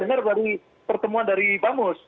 jadi pertemuan dari bamus